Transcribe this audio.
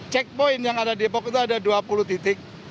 checkpoint yang ada di depok itu ada dua puluh titik